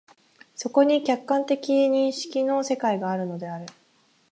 そこに客観的認識の世界があるのである。